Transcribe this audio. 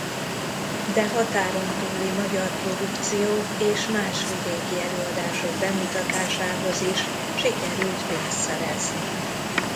De határon túli magyar produkciók és más vidéki előadások bemutatásához is sikerült pénzt szerezni.